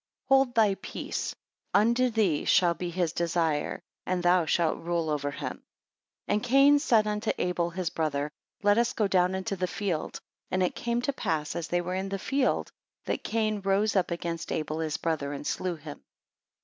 Hold thy peace: unto thee shall be his desire, and thou shalt rule over him. 4 And Cain said unto Abel his brother, Let us go down into the field. And it came to pass, as they were in the field, that Cain rose up against Abel his brother, and slew him.